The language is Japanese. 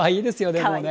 でもね。